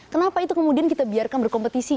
kenapa itu kemudian kita biarkan berkompetisi